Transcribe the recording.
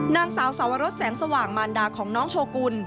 นางสาวสาวรสแสงสว่างมารดาของน้องโชกุล